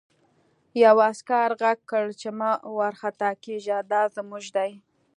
یوه عسکر غږ کړ چې مه وارخطا کېږه دا زموږ دي